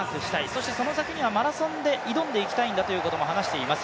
そしてその先にはマラソンで挑んでいきたいんだということも話しています。